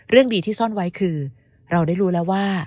ดีที่ซ่อนไว้คือเราได้รู้แล้วว่า